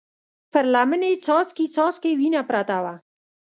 پر لمن يې څاڅکي څاڅکې وينه پرته وه.